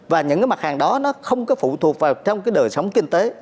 và những cái mặt hàng đó nó không có phụ thuộc vào trong cái đời sống kinh tế